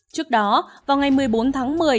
trước đó vào ngày một mươi bốn tháng một mươi